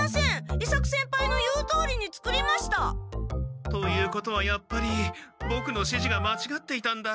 伊作先輩の言うとおりに作りました！ということはやっぱりボクのしじがまちがっていたんだ。